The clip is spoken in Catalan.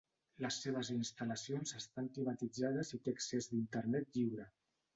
Les seves instal·lacions estan climatitzades i té accés d'Internet lliure.